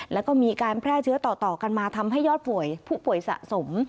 แล้วก็มีการแพร่เชื้อต่อกันมาทำให้ยอดป่วยผู้ป่วยสะสม